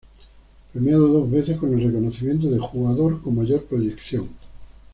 Premiado dos veces con el reconocimiento de "Jugador con Mayor Proyección".